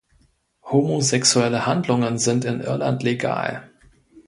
Homosexuelle Handlungen sind in Irland legal.